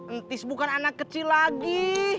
entis bukan anak kecil lagi